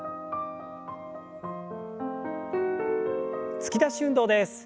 突き出し運動です。